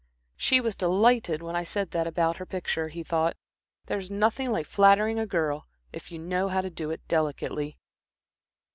"She was delighted when I said that about her picture," he thought, "there's nothing like flattering a girl, if you know how to do it delicately."